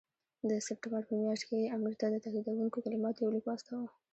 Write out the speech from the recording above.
د سپټمبر په میاشت کې یې امیر ته د تهدیدوونکو کلماتو یو لیک واستاوه.